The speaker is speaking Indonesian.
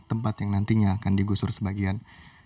tempat yang nantinya akan digusur sebagian